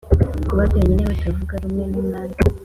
kuba byonyine batavuga rumwe numwami